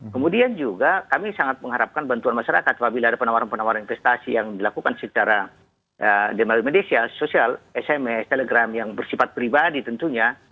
kemudian juga kami sangat mengharapkan bantuan masyarakat apabila ada penawaran penawaran investasi yang dilakukan secara di media sosial sms telegram yang bersifat pribadi tentunya